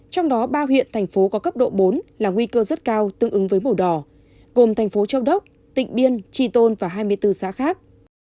trong đó ba huyện thành phố có cấp độ bốn là nguy cơ rất cao tương ứng với màu đỏ gồm thành phố châu đốc tỉnh biên tri tôn và hai mươi bốn xã khác